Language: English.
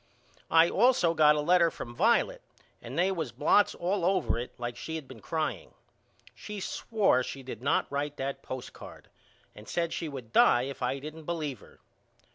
I all so got a letter from Violet and they was blots all over it like she had been crying. She swore she did not write that postcard and said she would die if I didn't believe her.